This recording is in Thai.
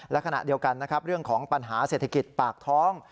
และขณะเดียวกันนะครับเรื่องของปัญหาเศรษฐกิจปากท้อง